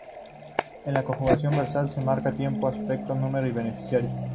En la conjugación verbal se marca tiempo, aspecto, número y beneficiario.